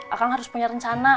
akang harus punya rencana